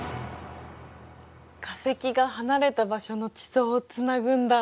化石が離れた場所の地層をつなぐんだ。